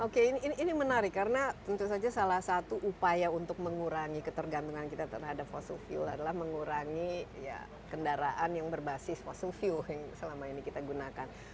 oke ini menarik karena tentu saja salah satu upaya untuk mengurangi ketergantungan kita terhadap fossil fuel adalah mengurangi kendaraan yang berbasis fossil fuel yang selama ini kita gunakan